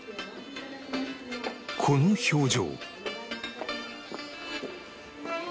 この表情